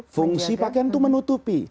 fungsi pakaian itu menutupi